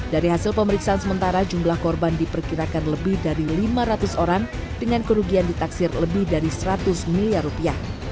dari hasil pemeriksaan sementara jumlah korban diperkirakan lebih dari lima ratus orang dengan kerugian ditaksir lebih dari seratus miliar rupiah